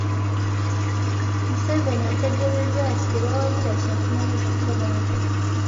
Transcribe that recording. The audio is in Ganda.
Museveni ategeezezza nti tebawagira kya kumala gatta bantu.